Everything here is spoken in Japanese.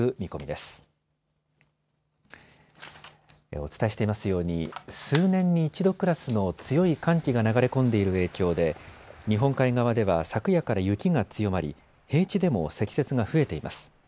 お伝えしていますように数年に一度クラスの強い寒気が流れ込んでいる影響で日本海側では昨夜から雪が強まり平地でも積雪が増えています。